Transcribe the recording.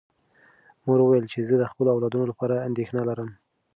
مور وویل چې زه د خپلو اولادونو لپاره اندېښنه لرم.